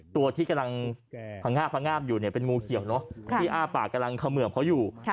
ตัวที่กำลังให้ถือเป็นดวงงูเขียวที่อาบปากเริ่มเขาอยู่